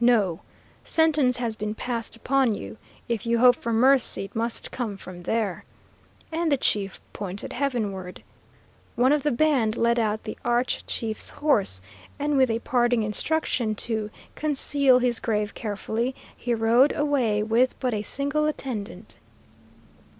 "No! sentence has been passed upon you. If you hope for mercy, it must come from there," and the chief pointed heavenward. One of the band led out the arch chief's horse, and with a parting instruction to "conceal his grave carefully," he rode away with but a single attendant.